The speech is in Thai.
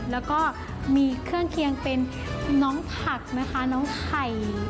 แล้วก็มีเครื่องเคียงเป็นน้องผักนะคะน้องไข่